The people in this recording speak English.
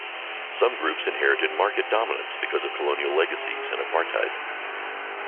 Some groups inherited market dominance because of colonial legacies and apartheid.